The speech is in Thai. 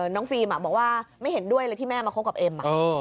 ฟิล์มบอกว่าไม่เห็นด้วยเลยที่แม่มาคบกับเอ็ม